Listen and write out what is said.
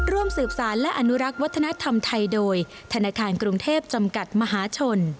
ร่วมสืบสารและอนุรักษ์วัฒนธรรมไทยโดยธนาคารกรุงเทพจำกัดมหาชน